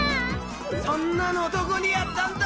そんなのどこにあったんだ！？